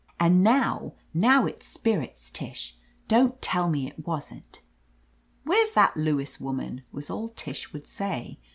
And now — ^now it's spirits, Tish. Don't tell me it wasn't." "Where's that Lewis woman ?" was all Tish would say.